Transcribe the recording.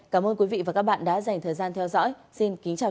cảm ơn các bạn đã theo dõi